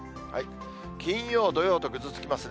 金曜、土曜とぐずつきますね。